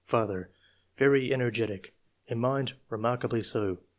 ^'Father — Very energetic. In mind, remark ably so.